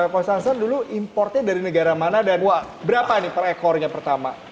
pak samson dulu importnya dari negara mana dan wah berapa nih per ekornya pertama